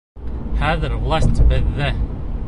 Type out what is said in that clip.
Хәҙер власть беҙҙә!